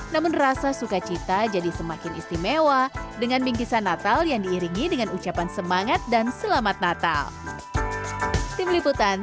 namun rasa sukacita jadi semakin istimewa dengan bingkisan natal yang diiringi dengan ucapan semangat dan selamat natal